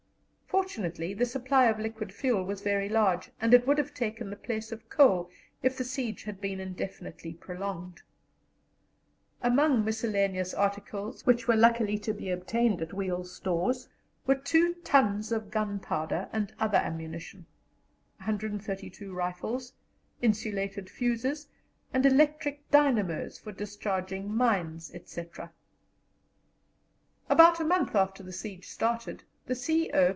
Fortunately, the supply of liquid fuel was very large, and it would have taken the place of coal if the siege had been indefinitely prolonged. Among miscellaneous articles which were luckily to be obtained at Weil's stores were 2 tons of gunpowder and other ammunition, 132 rifles, insulated fuses, and electric dynamos for discharging mines, etc. About a month after the siege started, the C.O.